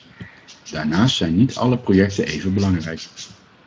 Daarnaast zijn niet alle projecten even belangrijk.